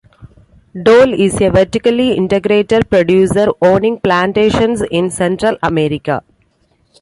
Dole is a vertically integrated producer, owning plantations in Central America.